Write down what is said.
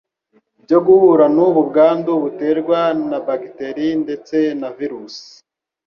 byo guhura n'ubu bwandu buterwa na bagiteri ndetse na virusi